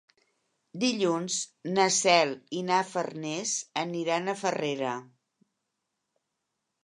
Dilluns na Cel i na Farners aniran a Farrera.